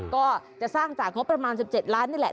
ก็จะสร้างจากงบประมาณ๑๗ล้านนี่แหละ